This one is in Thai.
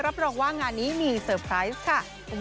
รับรองว่างานนี้มีเซอร์ไพรส์ค่ะ